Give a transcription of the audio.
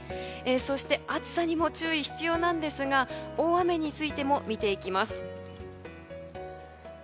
そして暑さにも注意が必要なんですが大雨についても見ていきます。